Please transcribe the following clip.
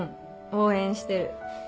応援してる。